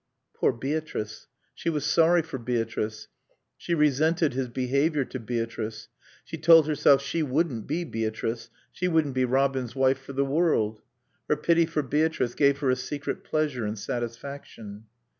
Poor Beatrice. She was sorry for Beatrice. She resented his behavior to Beatrice. She told herself she wouldn't be Beatrice, she wouldn't be Robin's wife for the world. Her pity for Beatrice gave her a secret pleasure and satisfaction.